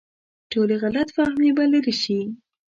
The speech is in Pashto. ټولې غلط فهمۍ به لرې شي.